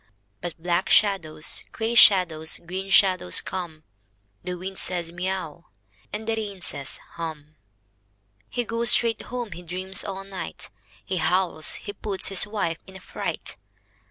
But black shadows, grey shadows, green shadows come. The wind says, " Miau !" and the rain says, « Hum !" He goes straight home. He dreams all night. He howls. He puts his wife in a fright.